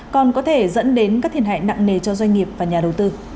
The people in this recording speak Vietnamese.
còn có thể dẫn đến các thiệt hại nặng nề cho doanh nghiệp và nhà đầu tư